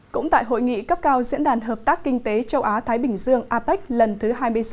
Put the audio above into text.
cũng tại hội nghị cấp cao diễn đàn hợp tác kinh tế châu á thái bình dương apec lần thứ hai mươi sáu